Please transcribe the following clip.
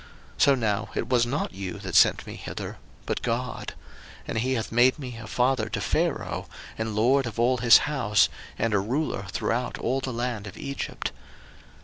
01:045:008 So now it was not you that sent me hither, but God: and he hath made me a father to Pharaoh, and lord of all his house, and a ruler throughout all the land of Egypt.